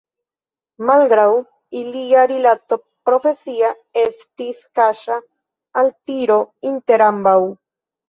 Malgraŭ ilia rilato profesia estis kaŝa altiro inter ambaŭ.